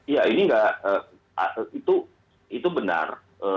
ya ini enggak itu benar